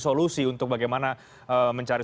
solusi untuk bagaimana mencari